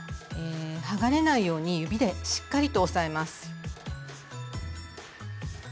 剥がれないように指でしっかりと押さえます。